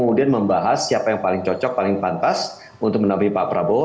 kemudian membahas siapa yang paling cocok paling pantas untuk menampil pak prabowo